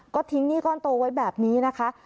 ก็ทิ้งหนี้ก้อนโตไว้แบบนี้นะคะ